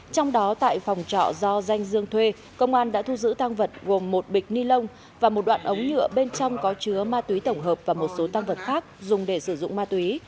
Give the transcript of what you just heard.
trong đó tại phòng trọ do danh dương thuê công an đã thu giữ tăng vật gồm một bịch ni lông và một đoạn ống nhựa bên trong có chứa ma túy tổng hợp và một số tăng vật khác dùng để sử dụng ma túy